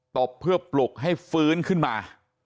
บเพื่อปลุกให้ฟื้นขึ้นมา